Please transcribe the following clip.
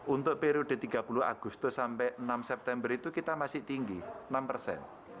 untuk periode tiga puluh agustus sampai enam september itu kita masih tinggi enam persen